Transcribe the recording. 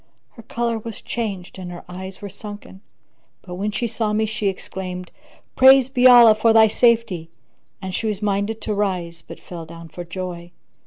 Her colour was changed and her eyes were sunken; but, when she saw me, she exclaimed, "Praised be Allah for thy safety!" And she was minded to rise but fell down for joy.